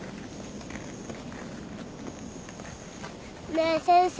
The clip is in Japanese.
ねえ先生。